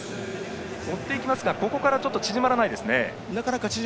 追っていきますがここから縮まらないですね。